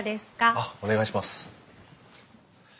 あっお願いします。